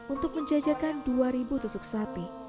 untuk menjajakan dua ribu tusuk sapi